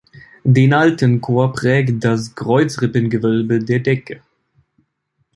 Den alten Chor prägt das Kreuzrippengewölbe der Decke.